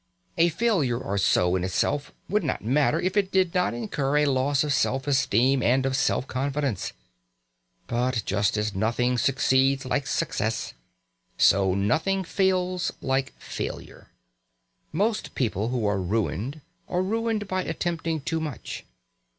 A failure or so, in itself, would not matter, if it did not incur a loss of self esteem and of self confidence. But just as nothing succeeds like success, so nothing fails like failure. Most people who are ruined are ruined by attempting too much.